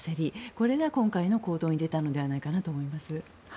これが今回の行動に出たのではと思います。